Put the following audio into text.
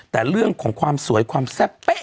แต่เรื่องของความสวยความแซ่บเป๊ะ